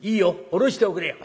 下ろしておくれよ」。